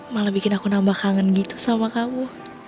malah bikin aku nambah kangen gitu sama kamu